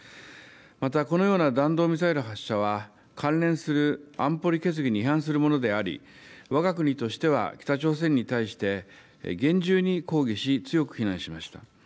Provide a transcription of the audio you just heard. またこのような弾道ミサイル発射は、関連する安保理決議に違反するものであり、わが国としては北朝鮮に対して厳重に抗議し、強く非難しました。